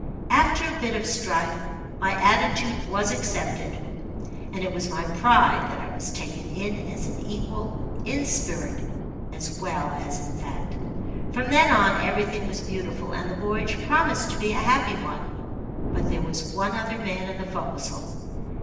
After a bit of strife, my attitude was accepted, and it was my pride that I was taken in as an equal in spirit as well as in fact. From then on, everything was beautiful, and the voyage promised to be a happy one. But there was one other man in the forecastle.